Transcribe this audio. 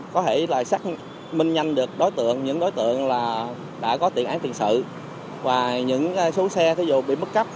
có thể là xác minh nhanh được đối tượng những đối tượng là đã có tiện án tiền sử và những số xe ví dụ bị bức cấp